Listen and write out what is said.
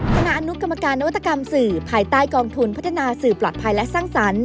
คณะอนุกรรมการนวัตกรรมสื่อภายใต้กองทุนพัฒนาสื่อปลอดภัยและสร้างสรรค์